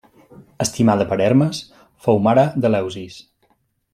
Estimada per Hermes, fou mare d'Eleusis.